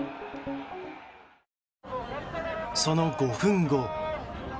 その５分後。